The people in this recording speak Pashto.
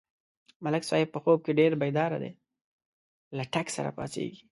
ملک صاحب په خوب کې ډېر بیداره دی، له ټک سره پا څېږي.